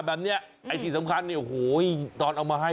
แบบนี้ไอ้ที่สำคัญเนี่ยโอ้โหตอนเอามาให้